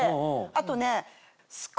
あとね。